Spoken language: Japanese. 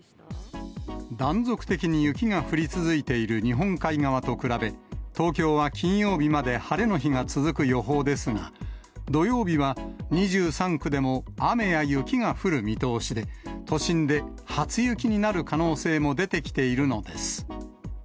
断続的に雪が降り続いている日本海側と比べ、東京は金曜日まで晴れの日が続く予報ですが、土曜日は２３区でも雨や雪が降る見通しで、都心で初雪になる可能性も出てきているのです。